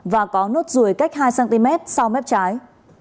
và có nốt ruồi cách hai cm sau mép trái